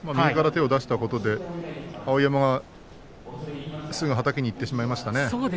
手を出したことで碧山がすぐはたきにいってしまいましたね。